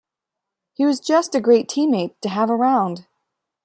He was just a great teammate to have around.